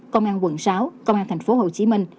công an quận sáu công an tp hcm